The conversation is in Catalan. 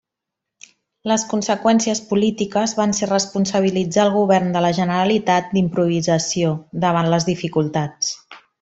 Les conseqüències polítiques van ser responsabilitzar al govern de la Generalitat d'improvisació davant les dificultats.